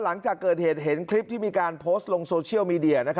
หลังจากเกิดเหตุเห็นคลิปที่มีการโพสต์ลงโซเชียลมีเดีย